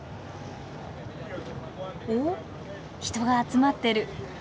おっ人が集まってる。